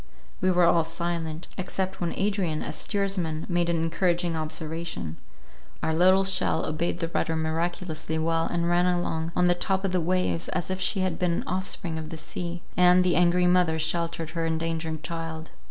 We were all silent, except when Adrian, as steersman, made an encouraging observation. Our little shell obeyed the rudder miraculously well, and ran along on the top of the waves, as if she had been an offspring of the sea, and the angry mother sheltered her endangered child.